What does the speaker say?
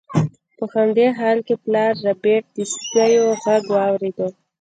په همدې حال کې پلار ربیټ د سپیو غږ واورید